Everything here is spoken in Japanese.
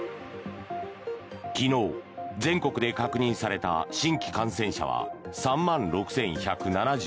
昨日、全国で確認された新規感染者は３万６１７６人。